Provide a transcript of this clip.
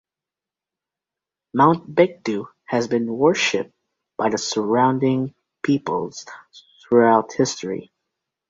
Mount Baekdu has been worshipped by the surrounding peoples throughout history.